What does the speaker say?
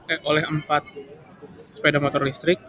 eh oleh empat sepeda motor listrik